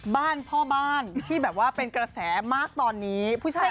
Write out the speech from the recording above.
บ้านพ่อบ้านที่แบบว่าเป็นกระแสมากตอนนี้ผู้ชาย